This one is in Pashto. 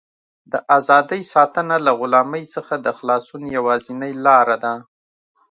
د ازادۍ ساتنه له غلامۍ څخه د خلاصون یوازینۍ لاره ده.